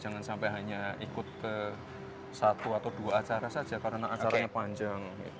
jangan sampai hanya ikut ke satu atau dua acara saja karena acaranya panjang